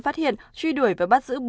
phát hiện truy đuổi và bắt giữ